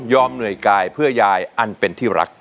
เหนื่อยกายเพื่อยายอันเป็นที่รัก